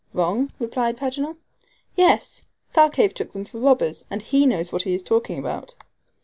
"Wrong?" replied Paganel. "Yes. Thalcave took them for robbers, and he knows what he is talking about."